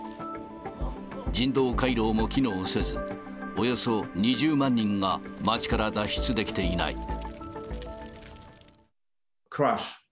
人道回廊も機能せず、およそ２０万人が街から脱出できていない。